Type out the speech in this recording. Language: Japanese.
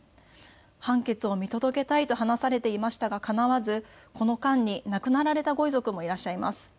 判決を見届けたいと話されていましたがかなわず、この間に亡くなられたご家族もいらっしゃいます。